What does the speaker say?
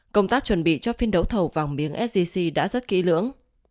công tác chuẩn bị cho phiên đấu thầu vàng miếng sgc đã rất kỹ lưỡng